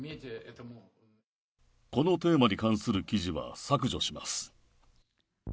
このテーマに関する記事は削除します。